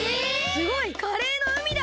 すごい！カレーのうみだ！